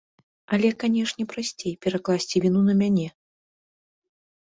Але, канешне, прасцей перакласці віну на мяне.